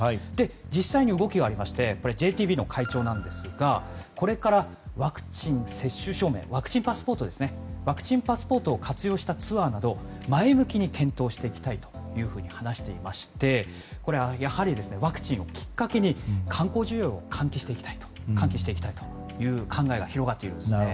実際に動きがありましてＪＴＢの会長なんですがこれからワクチン接種証明ワクチンパスポートを活用したツアーなど前向きに検討していきたいと話していましてやはり、ワクチンをきっかけに観光需要を喚起していきたいという考えが広がっているようですね。